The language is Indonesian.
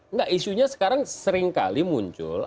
enggak isunya sekarang sering kali muncul